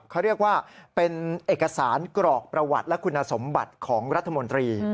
เขาเรียกว่าเป็นเอกสารกรอกประวัติและคุณสมบัติของรัฐมนตรี